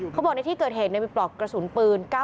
เขาบอกในที่เกิดเหตุมีปลอกกระสุนปืน๙มมอยู่๔นัด